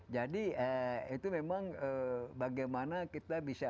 jadi itu memang bagaimana kita bisa